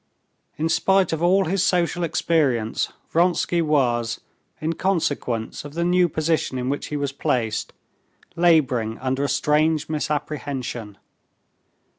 In spite of all his social experience Vronsky was, in consequence of the new position in which he was placed, laboring under a strange misapprehension.